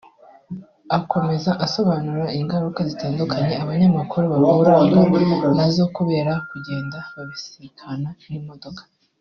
Akomeza asobanura ingaruka zitandukanye abanyamaguru bahuraga na zo kubera kugenda babisikana n’imodoka